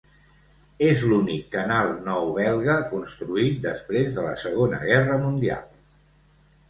És l'únic canal nou belga construït després de la Segona Guerra Mundial.